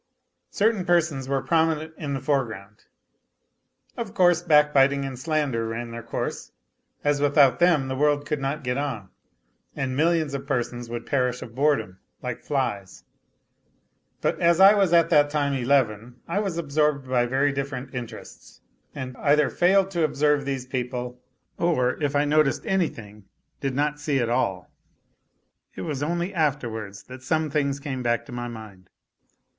Certain persons were prominent in the foreground. Of course backbiting and slander ran their course, as without them the world could not get on, and millions of persons would perish of boredom, like flies. But as I was at that time eleven I was 223 224 A LITTLE HERO absorbed by very different interests, and either failed to observe these people, or if I noticed anything, did not see it all. It was only afterwards that some things came back to my mind.